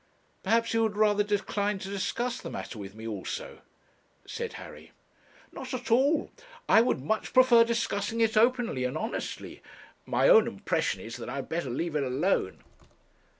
'Perhaps you would rather decline to discuss the matter with me also?' said Harry. 'Not at all; I would much prefer discussing it openly and honestly. My own impression is, that I had better leave it alone.'